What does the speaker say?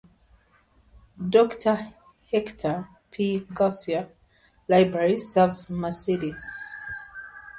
Doctor Hector P Garcia Library serves Mercedes.